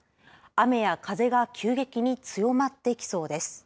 雨や風が急激に強まってきそうです。